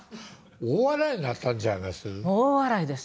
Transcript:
大笑いになったんちゃいます？